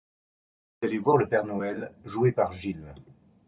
Elle décide d'aller voir le père Noël, joué par Gil.